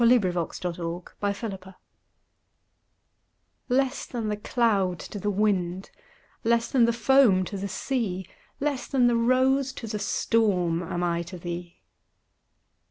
Less than the Cloud to the Wind Less than the cloud to the wind, Less than the foam to the sea, Less than the rose to the storm Am I to thee.